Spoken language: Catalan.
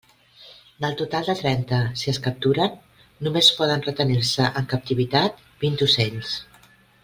Del total de trenta, si es capturen, només poden retenir-se en captivitat vint ocells.